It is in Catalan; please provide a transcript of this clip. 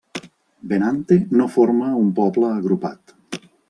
Benante no forma un poble agrupat.